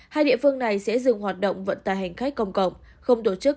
hai địa phương này sẽ dừng hoạt động vận tài hành khách công cộng không tổ chức